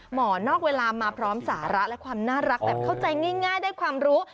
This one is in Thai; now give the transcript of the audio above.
หมอนอกเวลามาพร้อมสาระก็จะคงคอบใจง่ายได้ความรู้